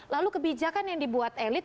lalu kebijakan yang dibuat elit